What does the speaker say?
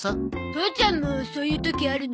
父ちゃんもそういう時あるの？